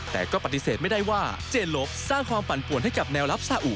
แต่ก็ปฏิเสธไม่ได้ว่าเจนลบสร้างความปั่นป่วนให้กับแนวรับซาอุ